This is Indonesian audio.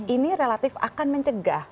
ini relatif akan mencegah